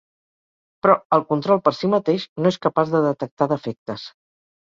Però, el control per si mateix no és capaç de detectar defectes.